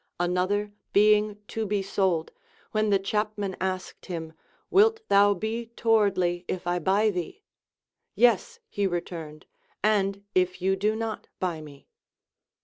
Another being to be sold, when the chapman asked him, ΛΥΙΚ thou be tow ardly if 1 buy thee ? Yes, he returned, and if you do not buy me.